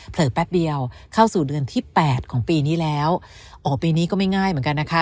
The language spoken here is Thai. แป๊บเดียวเข้าสู่เดือนที่แปดของปีนี้แล้วโอ้ปีนี้ก็ไม่ง่ายเหมือนกันนะคะ